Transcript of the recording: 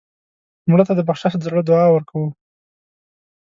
مړه ته د بخشش د زړه دعا ورکوو